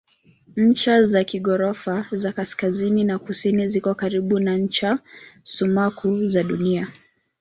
Ncha za kijiografia za kaskazini na kusini ziko karibu na ncha sumaku za Dunia.